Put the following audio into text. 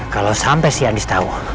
kalau sampe si andis tau